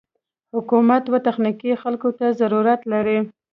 حکومت و تخنيکي خلکو ته ضرورت لري.